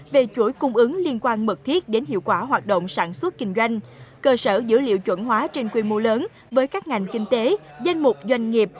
về chuỗi cung ứng liên quan mật thiết đến hiệu quả hoạt động sản xuất kinh doanh cơ sở dữ liệu chuẩn hóa trên quy mô lớn với các ngành kinh tế danh mục doanh nghiệp